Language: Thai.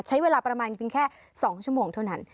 ใช้เวลาประมาณเพียงแค่๒ชั่วโมงเท่านั้น